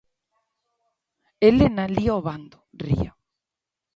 Helena lía o bando, ría.